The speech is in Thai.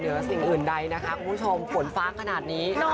สิ่งอื่นใดนะคะคุณผู้ชมฝนฟ้าขนาดนี้